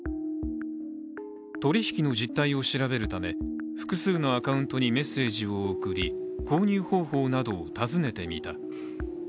取引の実態を調べるため、複数のアカウントにメッセージを送り購入方法などを尋ねてみた。